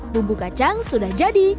bumbu kacang sudah jadi